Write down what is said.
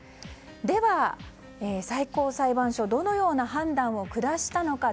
では、最高裁判所はどのような判断を下したのか。